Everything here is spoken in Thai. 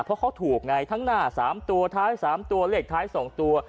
เพราะเขาถูกไงทั้งหน้า๓ตัวท้าย๓ตัวเลขท้าย๒ตัว